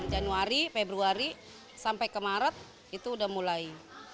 januari februari sampai ke maret itu sudah mulai